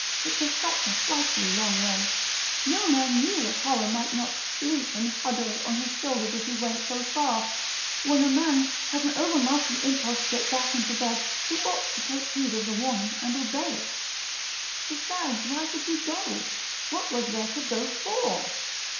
It was such a frightfully long way; no man knew what horror might not leap and huddle on his shoulders if he went so far; when a man has an overmastering impulse to get back into bed he ought to take heed of the warning and obey it. Besides, why should he go? What was there to go for?